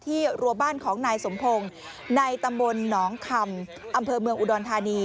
รัวบ้านของนายสมพงศ์ในตำบลหนองคำอำเภอเมืองอุดรธานี